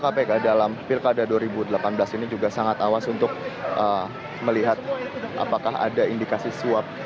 kpk dalam pilkada dua ribu delapan belas ini juga sangat awas untuk melihat apakah ada indikasi suap